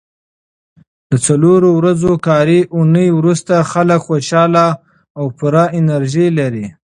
د څلورو ورځو کاري اونۍ وروسته خلک خوشاله او پوره انرژي لري.